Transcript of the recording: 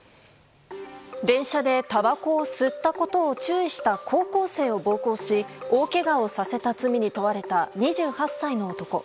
電車でたばこを吸ったことを注意した高校生を暴行し大けがをさせた罪に問われた２８歳の男。